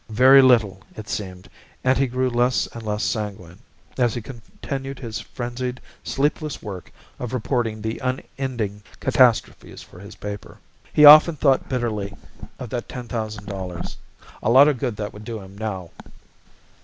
Very little, it seemed, and he grew less and less sanguine, as he continued his frenzied, sleepless work of reporting the unending catastrophes for his paper. He often thought bitterly of that ten thousand dollars. A lot of good that would do him now!